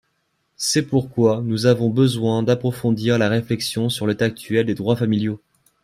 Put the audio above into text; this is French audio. C’est pourquoi nous avons besoin d’approfondir la réflexion sur l’état actuel des droits familiaux.